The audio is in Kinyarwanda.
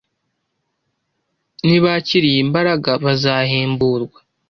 Nibakira iyi mbaraga, bazahemburwa